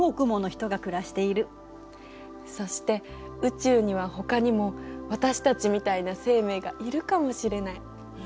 そして宇宙にはほかにも私たちみたいな生命がいるかもしれない。